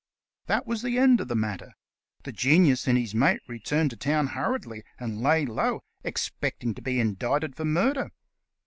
That was the end of the matter. The Genius and his mate returned to town hurriedly, and lay low, expecting to be indicted for murder.